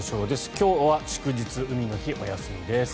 今日は祝日、海の日お休みです。